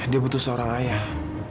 dia butuh seorang ayah